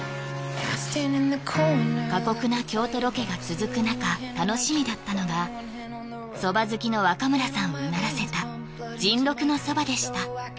過酷な京都ロケが続く中楽しみだったのが蕎麦好きの若村さんをうならせたじん六の蕎麦でした